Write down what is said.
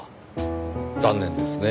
残念ですねぇ。